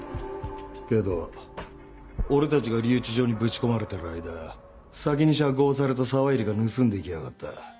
けど俺たちが留置所にブチ込まれてる間先に釈放された沢入が盗んでいきやがった。